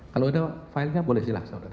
kalau udah file nya boleh silahkan